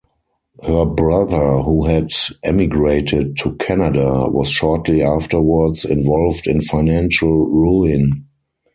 Her brother, who had emigrated to Canada, was shortly afterwards involved in financial ruin.